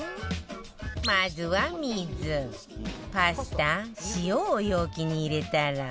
まずは水パスタ塩を容器に入れたら